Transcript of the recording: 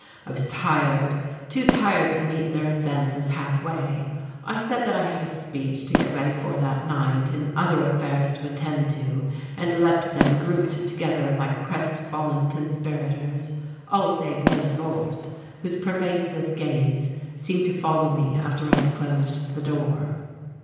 I was tired, too tired to meet their advances halfway. I said that I had a speech to get ready for that night, and other affairs to attend to, and left them grouped together like crestfallen conspirators all save Miller Gorse, whose pervasive gaze seemed to follow me after I had closed the door.